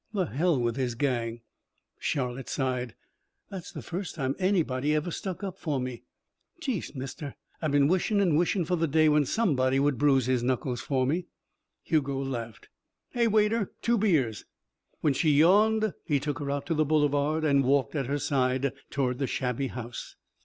"The hell with his gang." Charlotte sighed. "That's the first time anybody ever stuck up for me. Jeest, mister, I've been wishin' an' wishin' for the day when somebody would bruise his knuckles for me." Hugo laughed. "Hey, waiter! Two beers." When she yawned, he took her out to the boulevard and walked at her side toward the shabby house.